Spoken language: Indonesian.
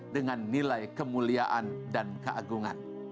dengan nilai kemuliaan dan keagungan